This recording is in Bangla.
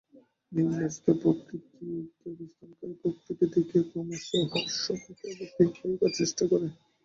নিম্নস্থ পক্ষীটি ঊর্ধ্বে অবস্থানকারী পক্ষীটিকে দেখিয়া ক্রমশ উহার সমীপবর্তী হইবার চেষ্টা করে।